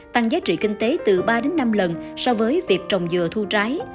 tăng giá trị kinh tế từ ba đến năm lần so với việc trồng dừa thu trái